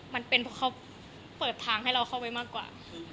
มันเป็นเพราะเขาเปิดทางให้เราเข้าไปมากกว่า